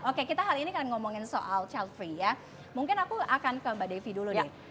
oke kita hari ini kan ngomongin soal childfree ya mungkin aku akan ke mba devi dulu nih